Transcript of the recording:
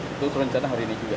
itu terencana hari ini juga